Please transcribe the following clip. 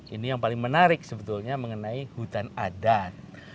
ini yang paling menarik sebetulnya mengenai hutan adat